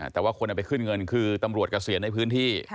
แต่ว่าคนเอาไปขึ้นเงินคือตำรวจเกษียณในพื้นที่